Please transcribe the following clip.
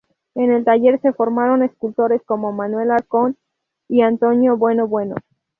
En el taller se formaron escultores como Manuel Arcón y Antonio Bueno Bueno.